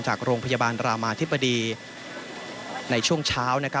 จากโรงพยาบาลรามาธิบดีในช่วงเช้า